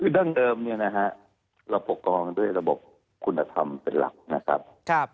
ดั่งเดิมเนี่ยเราปกองด้วยระบบคุณธรรมเป็นหลัก